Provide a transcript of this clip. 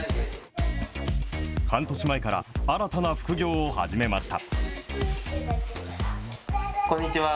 半年前から、新たな副業を始めました。